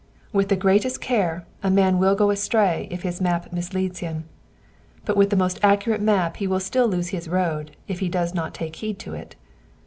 With the greatest care a man will go astray if his map misleads him ; but with the most accurate map he will still lose his road if he does not take heed to it.